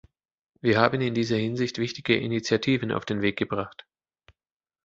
Wir haben in dieser Hinsicht wichtige Initiativen auf den Weg gebracht.